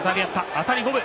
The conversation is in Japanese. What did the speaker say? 当たり五分。